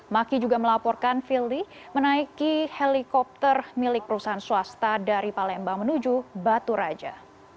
maki juga melaporkan firly menaiki helikopter milik perusahaan swasta dari palembang menuju baturaja